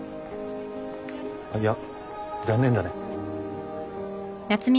いや残念だね。